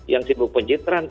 yang sibuk pencitraan